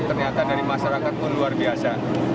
ternyata dari masyarakat pun luar biasa